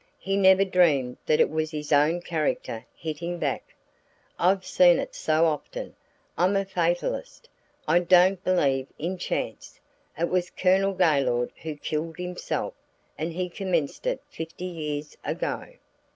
He never dreamed that it was his own character hitting back. I've seen it so often, I'm a fatalist. I don't believe in chance. It was Colonel Gaylord who killed himself, and he commenced it fifty years ago."